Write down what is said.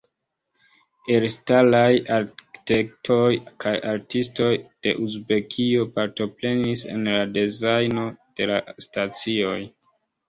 Elstaraj arkitektoj kaj artistoj de Uzbekio partoprenis en la dezajno de la stacioj.